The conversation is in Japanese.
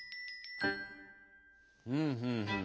ふんふんふん。